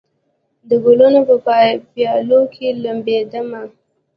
د ګلونو په پیالو کې لمبېدمه